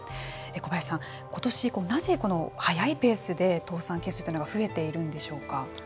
小林さん、今年なぜ早いペースで倒産件数というのが増えているんでしょうか。